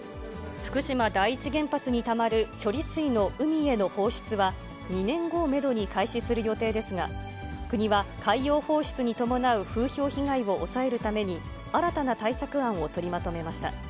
福島第一原発にたまる処理水の海への放出は、２年後をメドに開始する予定ですが、国は海洋放出に伴う風評被害を抑えるために、新たな対策案を取りまとめました。